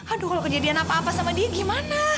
aduh kalau kejadian apa apa sama dia gimana